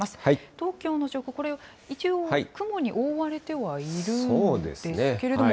東京の上空、これ、一応、雲に覆われてはいるんですけれども。